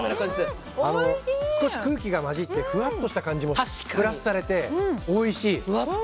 少し空気が混じってふわっとした感じもプラスされておいしい！